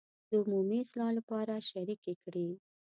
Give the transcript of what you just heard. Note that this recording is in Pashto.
د عمومي اصلاح لپاره شریکې کړي.